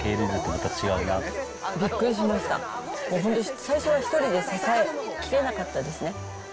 もう本当、最初は１人で支えきれなかったですね。